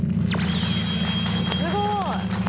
すごい！